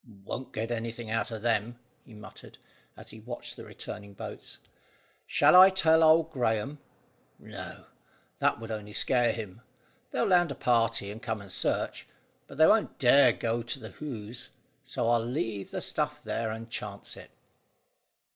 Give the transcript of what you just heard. "Won't get anything out o' them," he muttered, as he watched the returning boats. "Shall I tell old Graeme? No; that would only scare him. They'll land a party, and come and search; but they won't dare to go to the Hoze, so I'll leave the stuff there and chance it."